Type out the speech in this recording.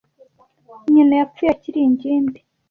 Nyina yapfuye akiri ingimbi.